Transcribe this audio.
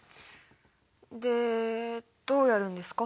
でどうやるんですか？